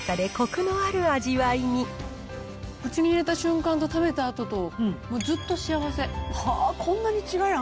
口に入れた瞬間と食べたあとと、もうずっと幸せ。